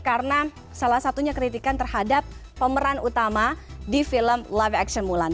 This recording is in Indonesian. karena salah satunya kritikan terhadap pemeran utama di film live action mulan